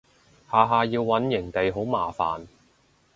下下要搵營地好麻煩